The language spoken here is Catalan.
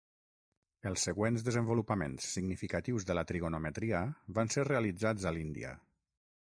Els següents desenvolupaments significatius de la trigonometria van ser realitzats a l'Índia.